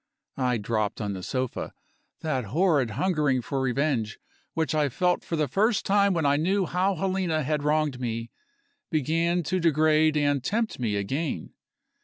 I dropped on the sofa. That horrid hungering for revenge, which I felt for the first time when I knew how Helena had wronged me, began to degrade and tempt me again.